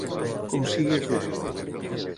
Com sigui que.